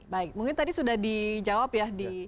baik mungkin tadi sudah dijawab ya